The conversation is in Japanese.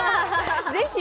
ぜひ！